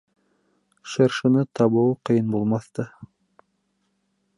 Шыршыны табыуы ҡыйын булмаҫ та...